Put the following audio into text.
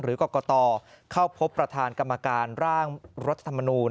หรือกรกตเข้าพบประธานกรรมการร่างรัฐมนูญ